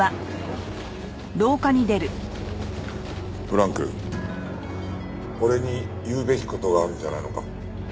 ブランク俺に言うべき事があるんじゃないのか？